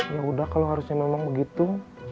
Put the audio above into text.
ya udah kalau harusnya memang begitu